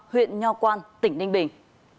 huyện nho quan tỉnh ninh bình